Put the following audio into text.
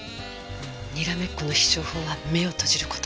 にらめっこの必勝法は目を閉じる事。